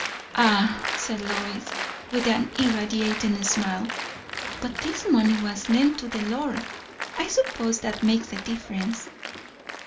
"Ah," said Lois, with an irradiating smile, "but this money was lent to the Lord; I suppose that makes the difference."